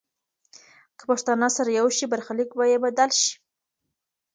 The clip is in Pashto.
که پښتانه سره یو شي، برخلیک به یې بدل شي.